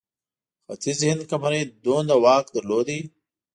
ختیځ هند کمپنۍ دومره واک درلود.